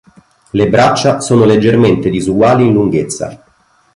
Le braccia sono leggermente disuguali in lunghezza.